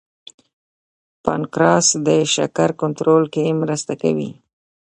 پنکراس د شکر کنټرول کې مرسته کوي